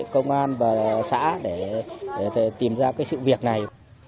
công an và xã để tìm ra cái sự việc này